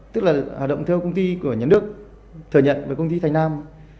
tức là hoạt động theo công ty của nhân đức thừa nhận với công ty thành nam